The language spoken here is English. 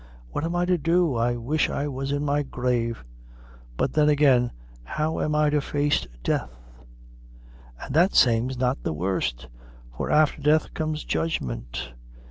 What am I to do? I wish I was in my grave! But then, agin', how am I to face death? and that same's not the worst; for afther death comes judgment!